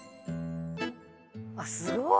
あっすごい！